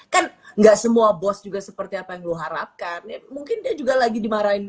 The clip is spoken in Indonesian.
kan nggak semua bos juga seperti apa yang gue harapkan mungkin dia juga lagi dimarahin